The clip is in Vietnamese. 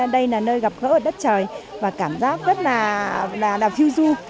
đây là nơi gặp gỡ ở đất trời và cảm giác rất là phiêu du